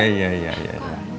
oke setuju ya